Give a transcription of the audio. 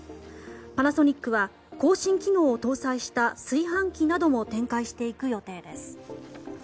パナソニックは更新機能を搭載した炊飯器なども展開していく予定です。